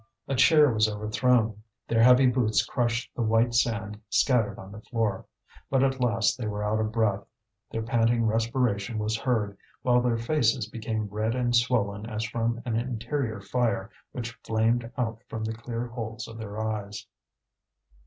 A chair was overthrown; their heavy boots crushed the white sand scattered on the floor. But at last they were out of breath, their panting respiration was heard, while their faces became red and swollen as from an interior fire which flamed out from the clear holes of their eyes.